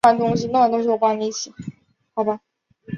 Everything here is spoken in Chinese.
贼自是闭门不复出。